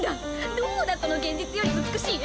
どうだこの現実より美しい映像！